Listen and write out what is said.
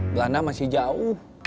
belanda masih jauh